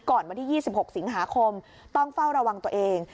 วันที่๒๖สิงหาคมต้องเฝ้าระวังตัวเอง